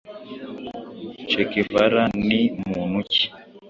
che guevara ni muntu ki